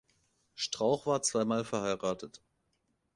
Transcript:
Strauch war zweimal verheiratet.